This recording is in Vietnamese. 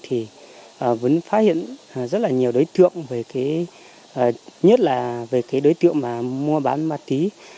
thì vẫn phát hiện rất là nhiều đối tượng về cái nhất là về cái đối tượng mà mua bán ma túy